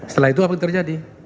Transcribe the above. setelah itu apa yang terjadi